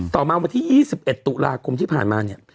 ต่อมาวันที่๒๑ตุลาคมที่ผ่านมาเนี่ย